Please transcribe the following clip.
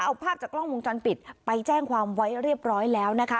เอาภาพจากกล้องวงจรปิดไปแจ้งความไว้เรียบร้อยแล้วนะคะ